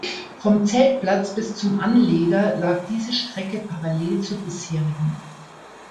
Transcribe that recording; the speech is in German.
Vom Zeltplatz bis zum Anleger lag diese Strecke parallel zur bisherigen.